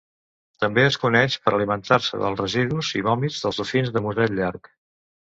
També es coneix per alimentar-se dels residus i vòmits dels dofins de musell llarg.